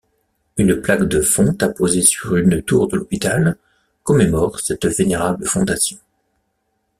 Une plaque de fonte apposée sur une tour de l'hôpital commémore cette vénérable fondation.